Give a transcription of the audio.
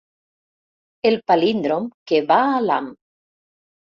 El palíndrom que va a l'ham.